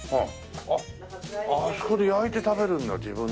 あそこで焼いて食べるんだ自分で。